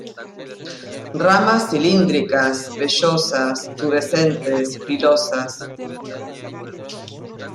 Ramas cilíndricas, vellosas, pubescentes, pilosas.